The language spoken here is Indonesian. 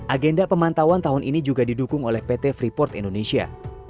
agenda pemantauan tahun ini juga didukung oleh pt freeport indonesia